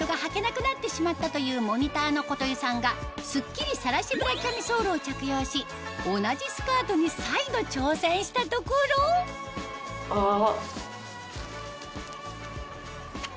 スッキリさらしブラキャミソールを着用し同じスカートに再度挑戦したところあっ。